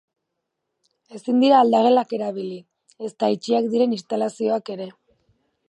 Ezin dira aldagelak erabili, ezta itxiak diren instalazioak ere.